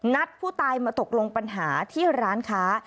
นัดผู้ตายมาตกลงปัญหาที่ร้านค้า